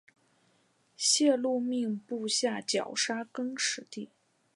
谢禄命部下绞杀更始帝。